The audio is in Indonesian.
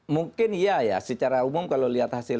mungkin iya ya secara umum kalau lihat hasil